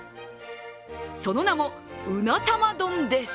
その名も、鰻玉丼です。